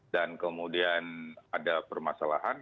dan kemudian ada permasalahan